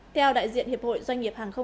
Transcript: theo đại diện hiệp hội doanh nghiệp hàng tư